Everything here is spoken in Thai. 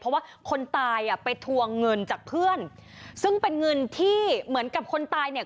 เพราะว่าคนตายอ่ะไปทวงเงินจากเพื่อนซึ่งเป็นเงินที่เหมือนกับคนตายเนี่ย